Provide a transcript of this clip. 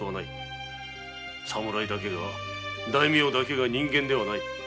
侍だけが大名だけが人間ではない。